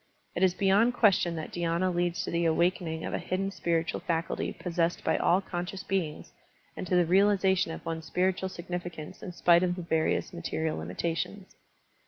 It is beyond question that dhy^na leads to the awakening of a hidden spiritual faculty pos sessed by all conscious beings and to the reali zation of one's spiritual significance in spite of the various material limitations.